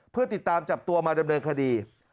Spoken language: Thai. เพื่อติดตามจับตัวมาดำเนินคดี